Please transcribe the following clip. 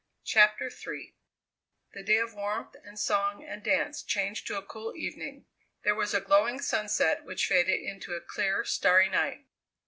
CHAPTER III The day of warmth and song and dance changed to a cool evening. There was a glowing sunset which faded into a clear, starry night.